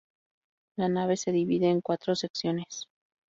La nave se divide en cuatro secciones.